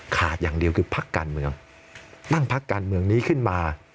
ขาดอย่างเดียวคือพักการเมืองตั้งพักการเมืองนี้ขึ้นมา